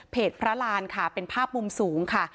พระรานค่ะเป็นภาพมุมสูงค่ะ